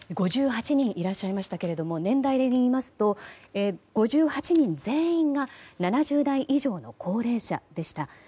５８人いらっしゃいましたが年代で見ますと５８人全員が７０代以上の高齢者でした。